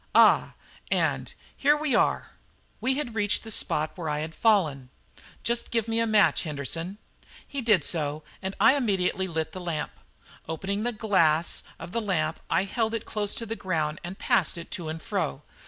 Ah! and here we are!" We had reached the spot where I had fallen. "Just give me a match, Henderson." He did so, and I immediately lit the lamp. Opening the glass of the lamp, I held it close to the ground and passed it to and fro.